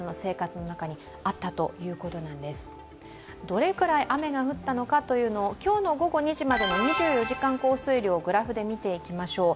どれくらい雨が降ったのかを今日の午後２時までの２４時間降水量をグラフで見ていきましょう。